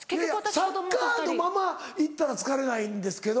サッカーのまま行ったら疲れないんですけど。